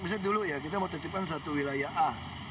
misalnya dulu ya kita mau tertipkan satu wilayah a